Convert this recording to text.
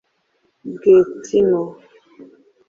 Gatineau